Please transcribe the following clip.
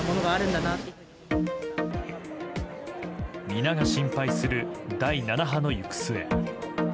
皆が心配する第７波の行く末。